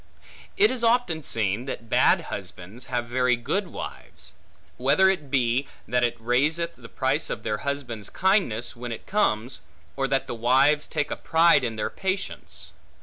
It is often seen that bad husbands, have very good wives; whether it be, that it raiseth the price of their husband's kindness, when it comes; or that the wives take a pride in their patience.